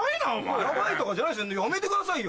ヤバいとかじゃないですよやめてくださいよ。